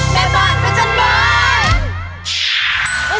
แม่บ้านพระจันทร์บ้าน